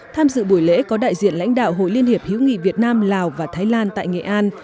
tham dự buổi lễ có đại diện lãnh đạo hội liên hiệp hiểu nghị việt nam lào và thái lan tại nghệ an